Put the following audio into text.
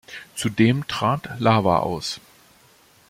Zudem trat Lava aus.